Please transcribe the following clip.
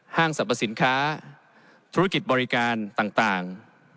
สรรพสินค้าธุรกิจบริการต่าง